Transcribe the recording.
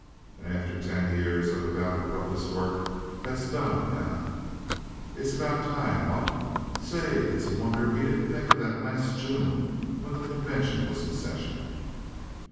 "And after ten years of about the roughest work that's done, eh? It's about time, what? Say, it's a wonder he didn't think of that last June when the convention was in session.